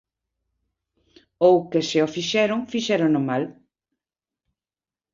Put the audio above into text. Ou que se o fixeron fixérono moi mal.